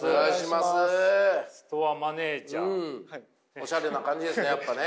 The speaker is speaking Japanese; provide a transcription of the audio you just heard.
おしゃれな感じですねやっぱね。